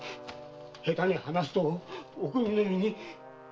下手に話すとおくにの身に。